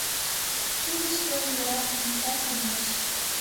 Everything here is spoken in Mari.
Угыч тольо йӧратыме сай кеҥеж.